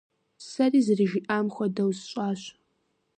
Сэри зэрыжиӀам хуэдэу сщӀащ.